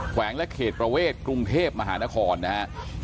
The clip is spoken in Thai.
วงและเขตประเวทกรุงเทพมหานครนะครับ